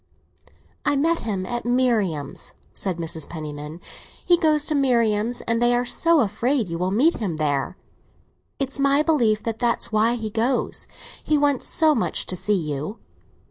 "I met him at Marian's," said Mrs. Penniman. "He goes to Marian's, and they are so afraid you will meet him there. It's my belief that that's why he goes. He wants so much to see you."